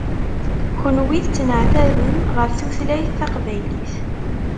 Kunwi tettneɛtabem ɣef tutlayt taqbaylit.